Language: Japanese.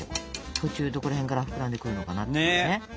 途中どこら辺から膨らんでくるのかなって。ね。